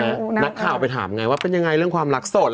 นักข่าวไปถามไงว่าเป็นยังไงเรื่องความรักสด